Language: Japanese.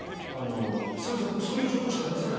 すみません、僕そういう情報しか出せない。